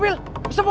terima kasih pak